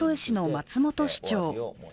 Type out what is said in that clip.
松本市長。